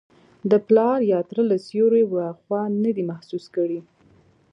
د پلار یا تره له سیوري وراخوا نه دی محسوس کړی.